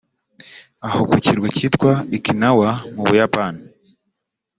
Aho ku kirwa cyitwa “Ikinawa”mu Buyapani